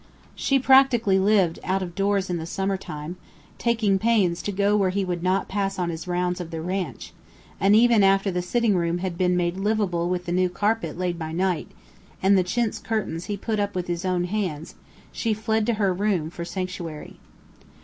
She practically lived out of doors in the summertime, taking pains to go where he would not pass on his rounds of the ranch; and even after the sitting room had been made "liveable" with the new carpet laid by Knight and the chintz curtains he put up with his own hands, she fled to her room for sanctuary.